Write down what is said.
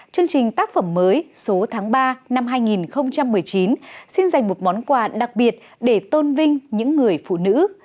chương trình tác phẩm mới số tháng ba năm hai nghìn một mươi chín xin dành một món quà đặc biệt để tôn vinh những người phụ nữ